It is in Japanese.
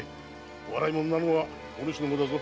笑い者になるのはお主の方だぞ。